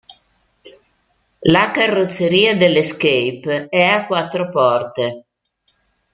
La carrozzeria dell'Escape è a quattro porte.